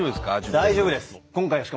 大丈夫ですか？